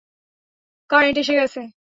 Current এসে গেছে!